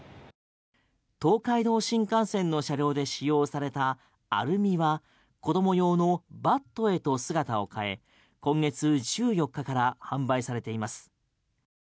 東海道新幹線の車両で使用されたアルミは子供用のバットへと姿を変え今月１４日から販売されています。